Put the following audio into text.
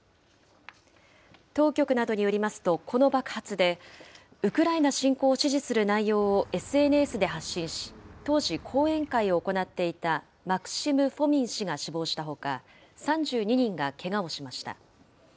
当局などによりますと、この爆発でウクライナ侵攻を支持する内容をＳＮＳで発信し、当時、講演会を行っていたマクシム・フォミン氏が死亡したほか、３２人がけがをしました。